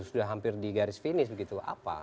sudah hampir di garis finish begitu apa